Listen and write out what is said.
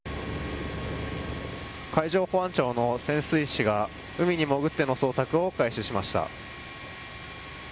海上保安庁の潜水士が海に潜っての捜索を開始しました。